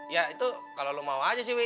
ya itu kalo lu mau aja sih wi